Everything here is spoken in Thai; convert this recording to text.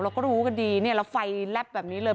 เราก็รู้กันดีเนี่ยแล้วไฟแลบแบบนี้เลย